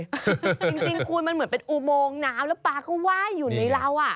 จริงคุณมันเหมือนเป็นอุโมงน้ำแล้วปลาก็ไหว้อยู่ในเรา